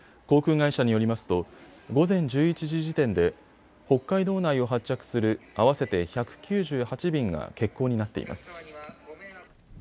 航空会社によりますと午前１１時時点で北海道内を発着する合わせて１９８便が欠航になっています。